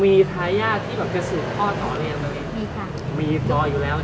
มีทะยาทที่แบบจะสูญพ่อถอเรียนเลย